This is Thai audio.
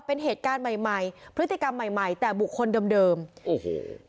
เป็นเหตุการณ์ใหม่พฤติกรรมใหม่แต่บุคคลเดิมโอ้โห